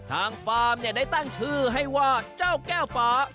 ฟาร์มได้ตั้งชื่อให้ว่าเจ้าแก้วฟ้า